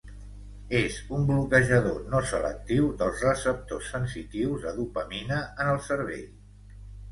És un bloquejador no selectiu dels Receptors sensitius de dopamina en el cervell.